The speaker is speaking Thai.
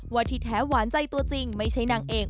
ที่แท้หวานใจตัวจริงไม่ใช่นางเอก